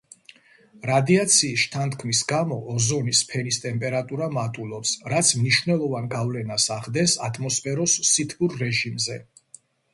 რადიაციის შთანთქმის გამო ოზონის ფენის ტემპერატურა მატულობს, რაც მნიშვნელოვან გავლენას ახდენს ატმოსფეროს სითბურ რეჟიმზე.